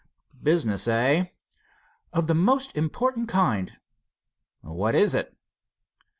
"Business, eh?" "Of the most important kind." "What is it?"